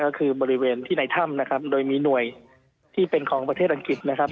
ก็คือบริเวณที่ในถ้ำนะครับโดยมีหน่วยที่เป็นของประเทศอังกฤษนะครับ